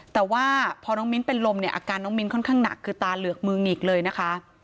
แต่ว่าพอน้องมิ้นเป็นลมเนี่ยอาการน้องมิ้นค่อนข้างหนักคือตาเหลือกมือหงิกเลยนะคะ